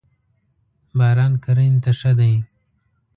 باران کرنی ته ښه دی.